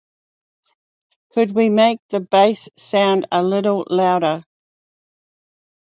Could we make the bass sound a little louder?